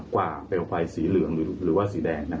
ว่าเปลวไฟสีเหลืองหรือว่าสีแดง